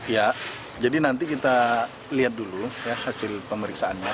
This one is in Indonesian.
ya jadi nanti kita lihat dulu ya hasil pemeriksaannya